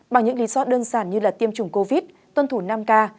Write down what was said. bằng những lý do đơn giản như tiêm chủng covid tuân thủ năm k